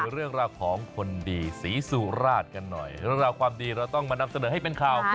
เรื่องราวของคนดีศรีสุราชกันหน่อยเรื่องราวความดีเราต้องมานำเสนอให้เป็นข่าว